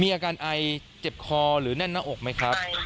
อาการไอเจ็บคอหรือแน่นหน้าอกไหมครับ